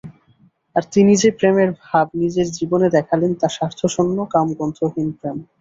আর তিনি যে-প্রেমের ভাব নিজের জীবনে দেখালেন, তা স্বার্থশূন্য কামগন্ধহীন প্রেম।